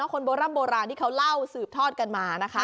คนโบล่ามโบราณที่เขาเล่าสืบทอดกันมา